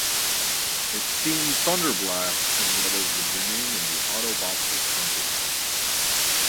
It seemed Thunderblast and the others would remain in the Autobots' company.